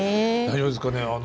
大丈夫ですかね。